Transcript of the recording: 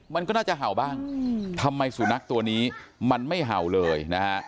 มันก็น่าจะเห่าบ้างทำไมสุนัขตัวนี้มันไม่เห่าเลยนะฮะ